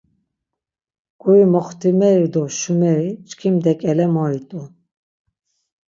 Guri moxtimeri do şumeri, çkimde ǩele moit̆u.